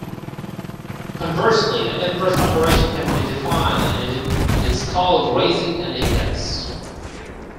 Conversely, the inverse operation can be defined, and is called "raising an index".